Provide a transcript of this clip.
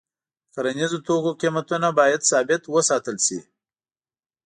د کرنیزو توکو قیمتونه باید ثابت وساتل شي.